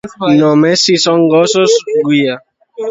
Només si són gossos guia.